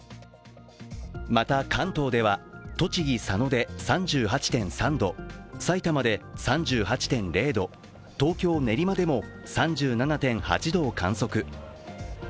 また関東では栃木・佐野で３８．３度、さいたまで３８．０度、東京・練馬でも３７．８度を観測。